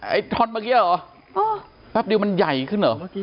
ทอนเมื่อกี้เหรอแป๊บเดียวมันใหญ่ขึ้นเหรอ